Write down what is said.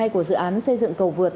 của dự án xây dựng cầu vượt